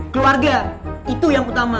keluarga itu yang utama